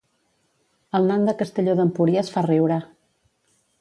El nan de Castelló d'Empúries fa riure